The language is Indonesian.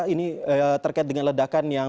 ini terkait dengan ledakan yang